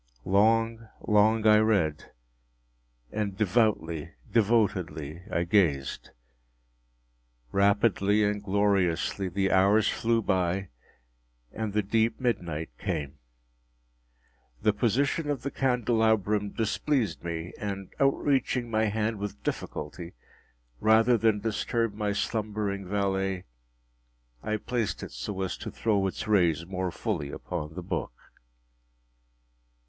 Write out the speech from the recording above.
Long, long I read—and devoutly, devotedly I gazed. Rapidly and gloriously the hours flew by and the deep midnight came. The position of the candelabrum displeased me, and outreaching my hand with difficulty, rather than disturb my slumbering valet, I placed it so as to throw its rays more fully upon the book.